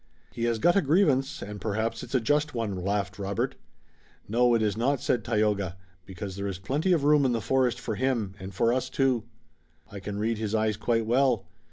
"He has got a grievance, and perhaps it's a just one," laughed Robert. "No, it is not," said Tayoga, "because there is plenty of room in the forest for him and for us, too. I can read his eyes quite well.